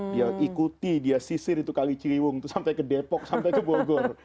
dia ikuti dia sisir itu kali ciliwung itu sampai ke depok sampai ke bogor